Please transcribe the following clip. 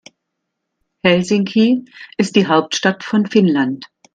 Helsinki ist die Hauptstadt von Finnland.